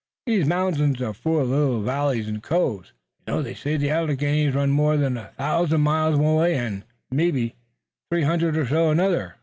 These mountings are full uv little valleys an' coves. They say the Alleghanies run more than a thousand miles one way an' mebbe three hundred or so another.